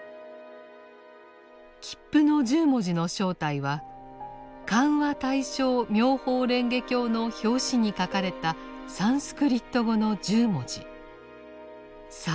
切符の１０文字の正体は「漢和対照妙法蓮華経」の表紙に書かれたサンスクリット語の１０文字。